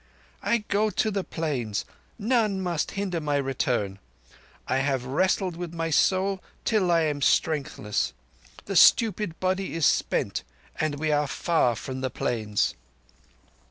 "I go to the Plains. None must hinder my return. I have wrestled with my soul till I am strengthless. The stupid body is spent, and we are far from the Plains."